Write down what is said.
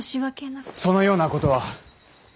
そのようなことは！